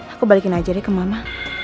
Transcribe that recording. aku balikin aja deh ke mama